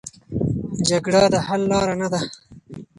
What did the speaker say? جګړه د حل لاره نه ده.